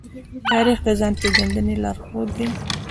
تاریخ د ځان پېژندنې لارښود دی.